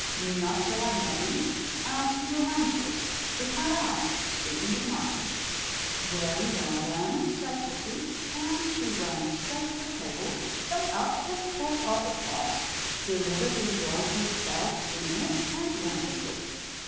"Not till I'm ready; I'll see you hanged first," replied I, speaking with mine. "Very well, then," said pussy; and she went straight to the table, jumped up and pulled off the cloth, deliberately rolled herself in it, and went to sleep.